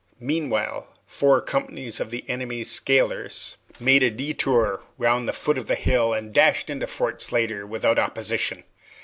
Meanwhile, four companies of the enemy's scalers made a detour round the foot of the hill, and dashed into Fort Slatter without opposition.